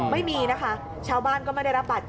ไม่มีนะคะ